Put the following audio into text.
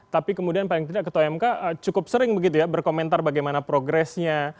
tapi kemudian paling tidak ketua mk cukup sering begitu ya berkomentar bagaimana progresnya